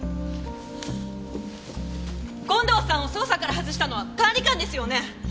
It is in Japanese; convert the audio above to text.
権藤さんを捜査から外したのは管理官ですよね。